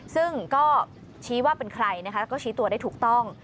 ซึ่งก็ชี้ว่าเป็นใครนะคะแล้วก็ชี้ตัวได้ถูกต้อง